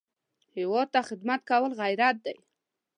هېواد ته خدمت کول غیرت دی